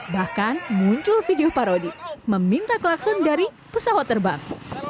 bahkan muncul video parodi meminta klakson dari pesawat terbang